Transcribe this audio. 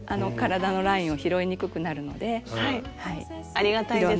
ありがたいです。